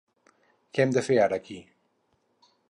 Què hem de fer ara, aquí?